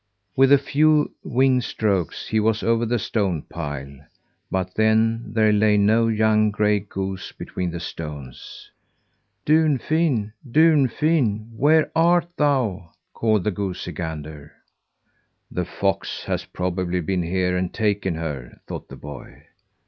With a few wing strokes he was over the stone pile; but then, there lay no young gray goose between the stones. "Dunfin! Dunfin! Where art thou?" called the goosey gander. "The fox has probably been here and taken her," thought the boy.